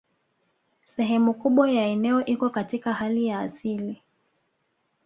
Sehemu kubwa ya eneo iko katika hali ya asili